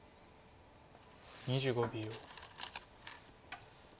２５秒。